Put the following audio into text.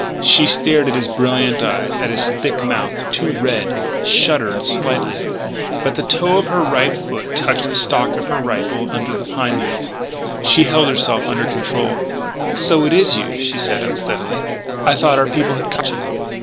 She stared at his brilliant eyes, at his thick mouth, too red shuddered slightly. But the toe of her right foot touched the stock of her rifle under the pine needles. She held herself under control. "So it's you," she said unsteadily. "I thought our people had caught you."